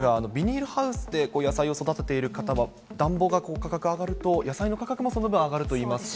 よく聞く話ですが、ビニールハウスで野菜を育てている方は、暖房が価格上がると、野菜の価格もその分上がるといいますし。